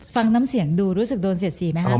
น้ำเสียงดูรู้สึกโดนเสียดสีไหมครับ